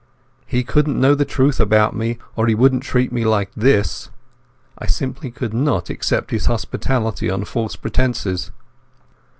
He couldn't know the truth about me, or he wouldn't treat me like this. I simply could not accept his hospitality on false pretences.